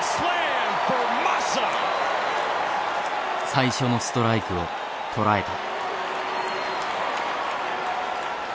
最初のストライクをとらえた。